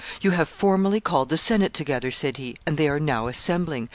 "You have formally called the Senate together," said he, "and they are now assembling.